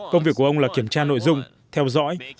công việc của ông là kiểm tra nội dung theo dõi